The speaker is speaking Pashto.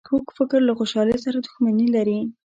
کوږ فکر له خوشحالۍ سره دښمني لري